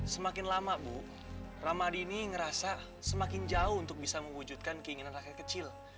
semakin lama bu ramadini ngerasa semakin jauh untuk bisa mewujudkan keinginan rakyat kecil